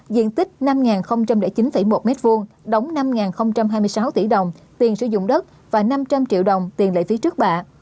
diện tích năm chín một m hai đóng năm hai mươi sáu tỷ đồng tiền sử dụng đất và năm trăm linh triệu đồng tiền lệ phí trước bạ